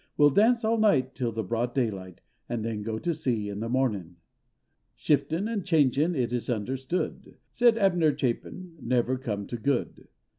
We'll dance all night till the broad daylight, And then go to sea in the mornin'! "Shiftin' and changin' it is understood," Said Abner Chapin, "never come to good."